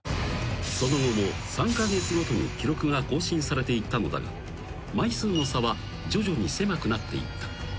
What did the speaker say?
［その後も３カ月ごとに記録が更新されていったのだが枚数の差は徐々に狭くなっていった］